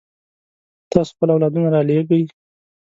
تاسو خپل اولادونه رالېږئ.